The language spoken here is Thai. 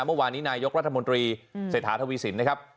เมื่อวานนี้นายกรัฐมนตรีเศรษฐาทวีสินนะครับ